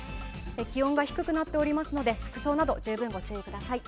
気温が低くなっておりますので服装などに十分ご注意ください。